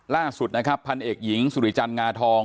ล่าสุดนะครับพันเอกหญิงสุริจันทร์งาทอง